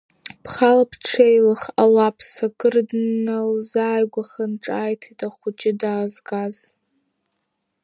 Бхала бҽеилых, алаԥс акыр дналзааигәаханы ҿааиҭит ахәыҷы даазгаз.